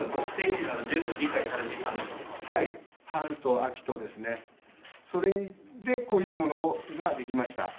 春と秋とそれでこういうものができました。